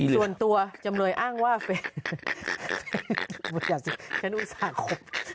ส่วนตัวจำเลยอ้างว่าเป็นฉันอุตส่าหก